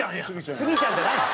スギちゃんじゃないんです。